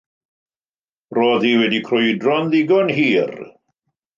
Roedd hi wedi crwydro'n ddigon hir.